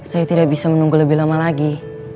saya tidak bisa menunggu lebih lama lagi